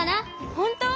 ほんとう？